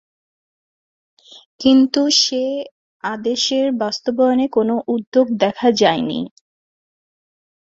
কিন্তু সে আদেশের বাস্তবায়নে কোনো উদ্যোগ দেখা যায়নি।